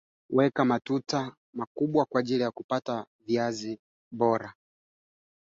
Wote kutoka kikosi cha sitini na tano cha jeshi la Rwanda.